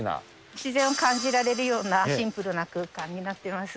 自然を感じられるような、シンプルな空間になってます。